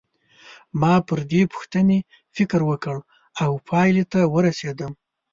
ما پر دې پوښتنې فکر وکړ او پایلې ته ورسېدم.